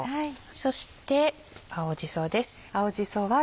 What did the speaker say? そして青じそです。